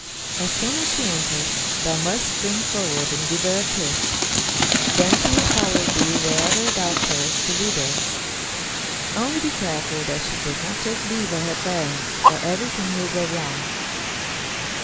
As soon as she enters, thou must spring forward and give her a kiss; then she will follow thee wherever thou carest to lead her; only be careful that she does not take leave of her parents, or everything will go wrong."